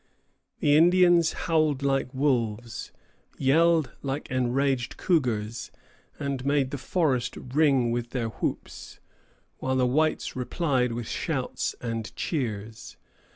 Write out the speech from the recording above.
The Indians howled like wolves, yelled like enraged cougars, and made the forest ring with their whoops; while the whites replied with shouts and cheers.